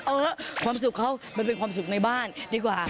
เออความสุขเขามันเป็นความสุขในบ้านดีกว่า